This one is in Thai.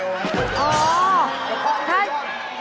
คิดว่าอะไรล่ะหรอห์